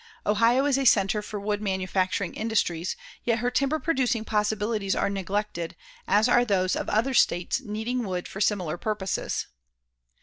Ohio is a centre for wood manufacturing industries, yet her timber producing possibilities are neglected, as are those of other states needing wood for similar purposes.